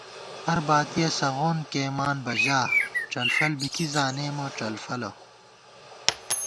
ہرباتِیَہ سغون کېئیمان بہ ژا ، ڄلفل بی کی زانېمہ ڄلفَلہ